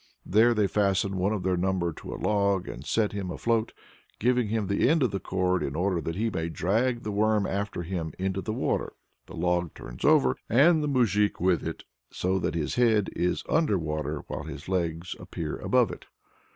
There they fasten one of their number to a log and set him afloat, giving him the end of the cord, in order that he may drag the "worm" after him into the water. The log turns over, and the moujik with it, so that his head is under water while his legs appear above it.